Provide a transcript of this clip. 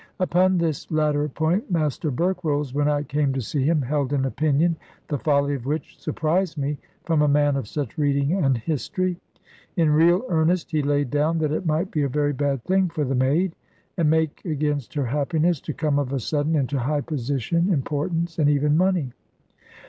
Upon this latter point Master Berkrolles, when I came to see him, held an opinion, the folly of which surprised me, from a man of such reading and history. In real earnest he laid down that it might be a very bad thing for the maid, and make against her happiness, to come of a sudden into high position, importance, and even money.